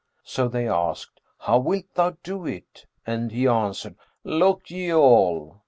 So they asked, "How wilt thou do it?"; and he answered, "Look ye all!"